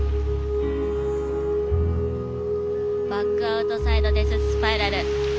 バックワードアウトサイドデススパイラル。